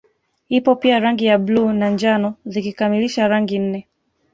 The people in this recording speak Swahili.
Ipo pia rangi ya bluu na njano zikikamilisha rangi nne